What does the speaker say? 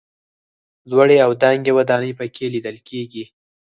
لوړې او دنګې ودانۍ په کې لیدل کېږي.